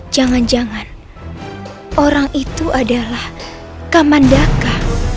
jangan jangan orang itu adalah kamandaka